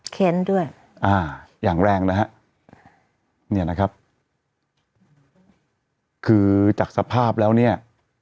แค้นด้วยอ่าอย่างแรงนะฮะเนี่ยนะครับคือจากสภาพแล้วเนี่ย